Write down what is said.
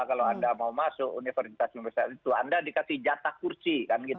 kalau anda mau masuk universitas universitas itu anda dikasih jatah kursi